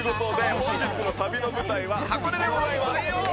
本日の旅の舞台は箱根でございます。